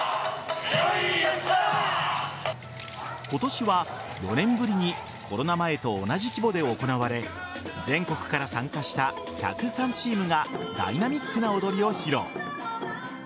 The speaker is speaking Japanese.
今年は４年ぶりにコロナ前と同じ規模で行われ全国から参加した１０３チームがダイナミックな踊りを披露。